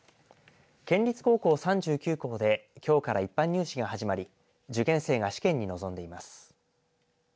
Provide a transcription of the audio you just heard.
県立高校３９校できょうから一般入試が始まり受験生が試験に臨んでいます。